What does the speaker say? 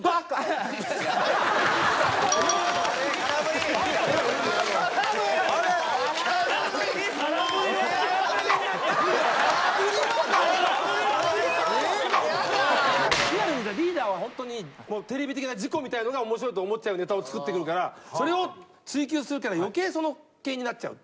リアルにリーダーはホントにテレビ的な事故みたいなのが面白いと思っちゃうネタを作ってくるからそれを追求するから余計その系になっちゃうっていう。